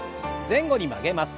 前後に曲げます。